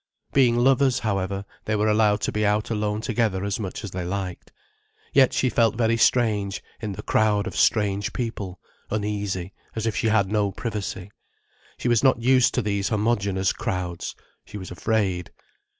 Being lovers, however, they were allowed to be out alone together as much as they liked. Yet she felt very strange, in this crowd of strange people, uneasy, as if she had no privacy. She was not used to these homogeneous crowds. She was afraid.